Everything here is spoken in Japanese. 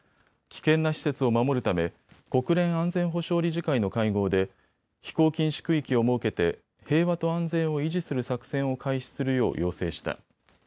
危険な施設を守るため国連安全保障理事会の会合で飛行禁止区域を設けて平和と安全を維持する作戦を開始するよう要請した。